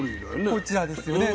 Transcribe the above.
こちらですよね。